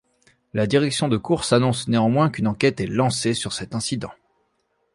La direction de course annonce néanmoins qu’une enquête est lancée sur cet incident.